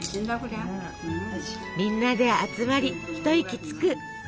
みんなで集まり一息つく。